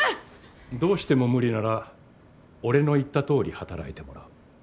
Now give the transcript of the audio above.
どうしても無理なら俺の言った通り働いてもらう。